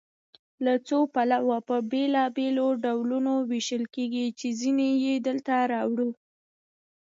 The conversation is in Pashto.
له څو پلوه په بېلابېلو ډولونو ویشل کیږي چې ځینې یې دلته راوړو.